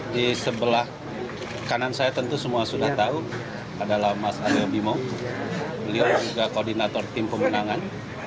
di sebelah kanan saya tentu semua sudah tahu adalah mas amil bimo beliau juga koordinator tim pemenangan